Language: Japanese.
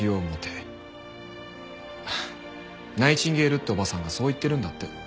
ナイチンゲールっておばさんがそう言ってるんだって。